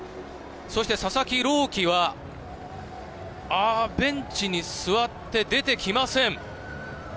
そして佐々木朗希は、あーっ、ベンチに座って出てきません。